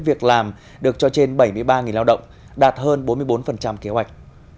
việc làm được cho trên bảy mươi ba lao động đạt hơn bốn mươi bốn kế hoạch